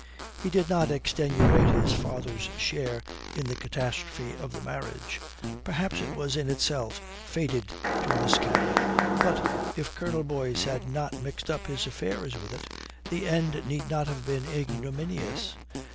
He did not extenuate his father's share in the catastrophe of the marriage. Perhaps it was in itself fated to miscarry, but if Colonel Boyce had not mixed up his affairs with it, the end need not have been ignominious.